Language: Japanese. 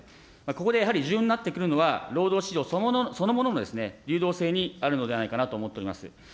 ここでやはり重要になってくるのは、労働市場そのものの流動性にあるのではないかなと思っております。